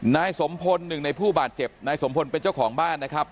นายสมพลหนึ่งในผู้บาดเจ็บนายสมพลเป็นเจ้าของบ้านนะครับ